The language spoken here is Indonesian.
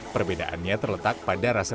perbedaannya terletak pada rasa